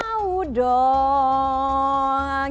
eh mau dong